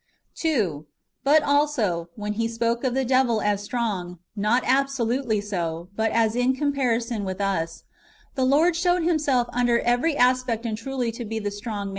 2. But also, when He spoke of the devil as strong, not absolutely so, but as in comparison with us, the Lord showed Himself under every aspect and truly to be the strong man, 1 Matt.